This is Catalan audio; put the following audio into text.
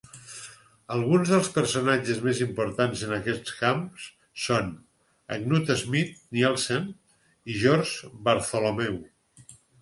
Alguns dels personatges més importants en aquests camps són Knut Schmidt-Nielsen i George Bartholomew.